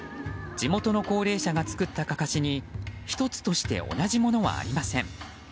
地元の高齢者が作ったかかしに１つとして同じものはありません。